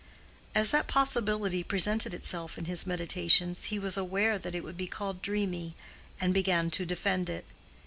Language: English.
As that possibility presented itself in his meditations, he was aware that it would be called dreamy, and began to defend it.